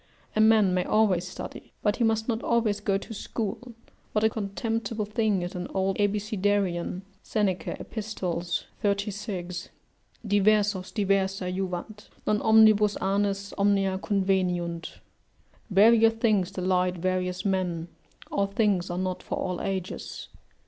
A man may always study, but he must not always go to school what a contemptible thing is an old Abecedarian! [Seneca, Ep. 36] "Diversos diversa juvant; non omnibus annis Omnia conveniunt." ["Various things delight various men; all things are not for all ages."